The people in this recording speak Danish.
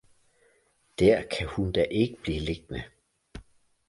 Der kan hun da ikke blive liggende